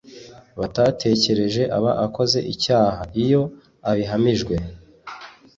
batatekereje aba akoze icyaha. iyo abihamijwe